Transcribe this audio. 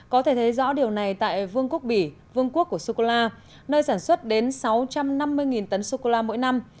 có thể thấy rõ điều này tại vương quốc bỉ vương quốc của sô cô la nơi sản xuất đến sáu trăm năm mươi tấn sô cô la mỗi năm